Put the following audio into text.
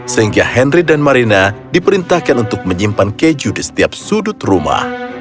sehingga henry dan marina diperintahkan untuk menyimpan keju di setiap sudut rumah